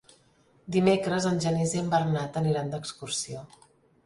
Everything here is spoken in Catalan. Dimecres en Genís i en Bernat aniran d'excursió.